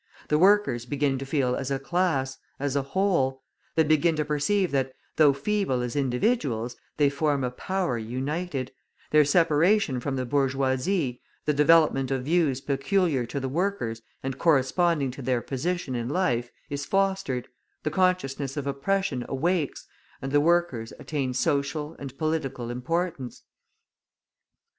The workers begin to feel as a class, as a whole; they begin to perceive that, though feeble as individuals, they form a power united; their separation from the bourgeoisie, the development of views peculiar to the workers and corresponding to their position in life, is fostered, the consciousness of oppression awakens, and the workers attain social and political importance.